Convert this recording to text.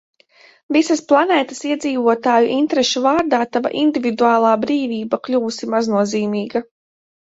Visas planētas iedzīvotāju interešu vārdā tava individuālā brīvība kļuvusi maznozīmīga.